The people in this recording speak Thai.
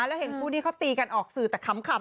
แล้วเห็นคู่นี้เขาตีกันออกสื่อแต่ขำ